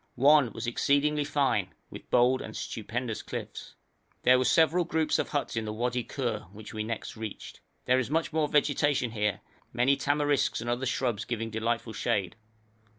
One was exceedingly fine, with bold and stupendous cliffs. There were several groups of huts in the Wadi Khur, which we next reached. There is much more vegetation here, many tamarisks and other shrubs giving delightful shade.